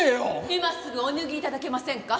今すぐお脱ぎ頂けませんか？